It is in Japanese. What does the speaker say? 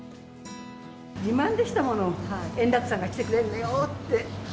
自慢でしたもの、円楽さんが来てくれるんだよって。